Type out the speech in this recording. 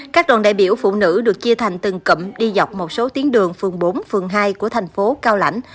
các đoàn đại biểu phụ nữ được chia thành từng cụm đi dọc một số tiến đường phường bốn phường hai của thành phố cao lãnh